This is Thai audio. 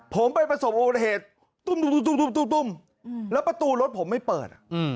ผมไปประสบโอเวทเหตุแล้วประตูรถผมไม่เปิด